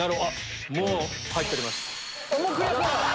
もう入っております。